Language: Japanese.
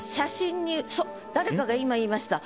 そう誰かが今言いました。